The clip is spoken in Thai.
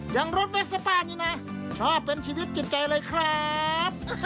อย่างรถเมสเตอร์ป้านี่นะชอบเป็นชีวิตจิตใจเลยครับ